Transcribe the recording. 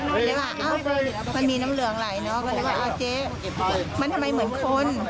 ก็เลยว่าอ้าวมันมีน้ำเหลืองหลายนอกเรียกว่าอาวเจ๊มันทำไมเหมือนคน